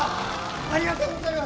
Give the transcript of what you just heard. ありがとうございます！